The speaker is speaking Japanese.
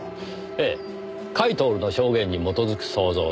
ええ甲斐享の証言に基づく想像です。